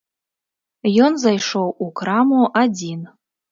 Ён зайшоў у краму адзін.